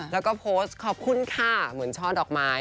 แล้วก็โพสต์ขอบคุณค่ะเหมือนช่อดอกไม้